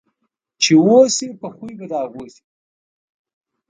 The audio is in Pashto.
چې اوسې په خوی په د هغو سې.